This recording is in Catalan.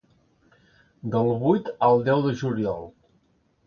Del vuit al deu de juliol.